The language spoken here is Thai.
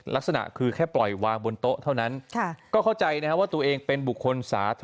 ลักษณะคือแค่ปล่อยวางบนโต๊ะเท่านั้นก็เข้าใจนะครับว่าตัวเองเป็นบุคคลสาธุ